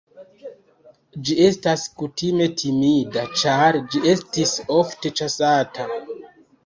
Ĝi estas kutime timida, ĉar ĝi estis ofte ĉasata.